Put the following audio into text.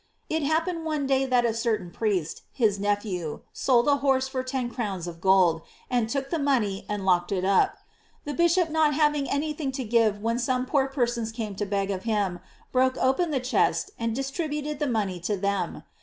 It happened one day that a certain priest, his nephew, sold a horse for ten crowns of gold, and took the money arid locked it up. The bishop not having any thing to give when some poor persons came to beg of him, broke open the chest and distributed the money to them.